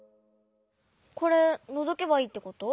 これのぞけばいいってこと？